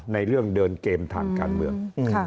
ในเรื่องเดินเกมทางการเมือง